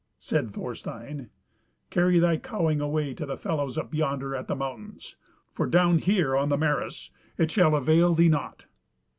Said Thorstein, "Carry thy cowing away to the fellows up yonder at the mountains; for down here, on the Meres, it shall avail thee nought."